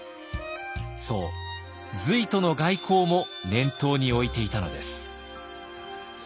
そう隋との外交も念頭に置いていたのです。